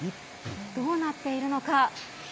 どうなっているのか。